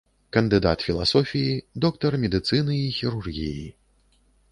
Кандыдат філасофіі, доктар медыцыны і хірургіі.